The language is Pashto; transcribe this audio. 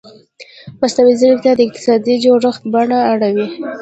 مصنوعي ځیرکتیا د اقتصادي جوړښتونو بڼه اړوي.